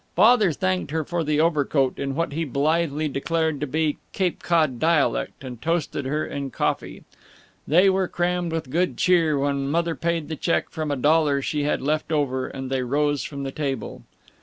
Father thanked her for the overcoat in what he blithely declared to be Cape Cod dialect, and toasted her in coffee. They were crammed with good cheer when Mother paid the check from a dollar she had left over, and they rose from the table.